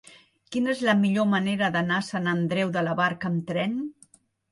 Quina és la millor manera d'anar a Sant Andreu de la Barca amb tren?